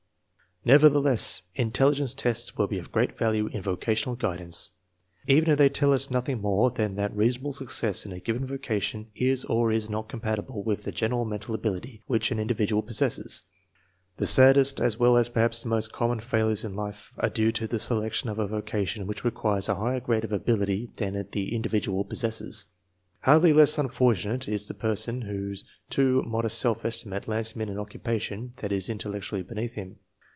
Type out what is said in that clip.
Nevertheless, intelligence tests will be of great value in vocational guidance, even if they tell us noth ing more than that reasonable success in a given voca tion is or is not compatible with the general mental .ability which an individual possesses. The saddest, as well as perhaps the most common failures in life are due to the selection of a vocation which requires a higher grade of ability than the individual possesses. Hardly less unfortunate is the person whose too mod est self estimate lands him in an occupation that is in tellectually beneath him.